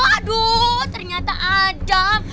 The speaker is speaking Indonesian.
aduh ternyata adam